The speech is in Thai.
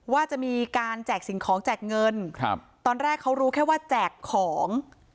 ว่าจะมีการแจกสิ่งของแจกเงินครับตอนแรกเขารู้แค่ว่าแจกของ